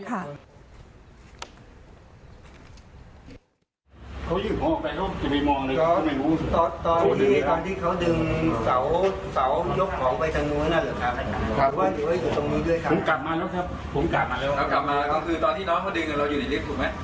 เรากลับมาแล้วครับตอนที่น้องเขาดึงเราอยู่ในลิฟต์ถูกไหม